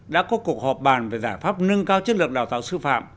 đã có cuộc họp bàn về giải pháp nâng cao chất lượng đào tạo sư phạm